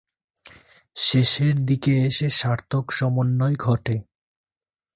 শেষের দিকে এসে সার্থক সমন্বয় ঘটে।